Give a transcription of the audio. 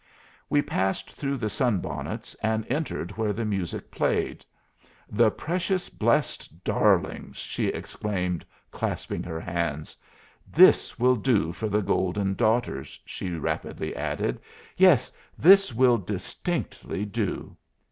We passed through the sunbonnets and entered where the music played. "The precious blessed darlings!" she exclaimed, clasping her hands. "This will do for the Golden Daughters," she rapidly added; "yes, this will distinctly do."